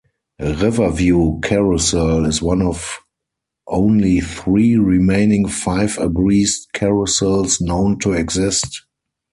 Riverview Carousel is one of only three remaining five-abreast carousels known to exist.